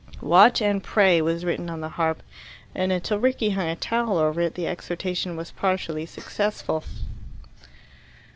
"Watch and pray" was written on the harp, and until Rickie hung a towel over it the exhortation was partially successful.